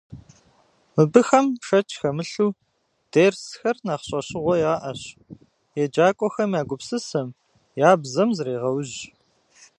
Мыбыхэм, шэч хэмылъу, дерсхэр нэхъ щӏэщыгъуэ ящӏ, еджакӏуэхэм я гупсысэм, я бзэм зрегъэужь.